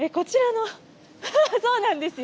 そうなんですよ。